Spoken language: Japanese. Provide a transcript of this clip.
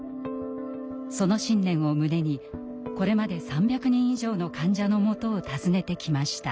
その信念を胸にこれまで３００人以上の患者のもとを訪ねてきました。